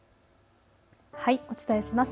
お伝えします。